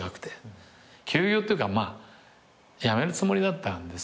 休業っていうか辞めるつもりだったんですよね。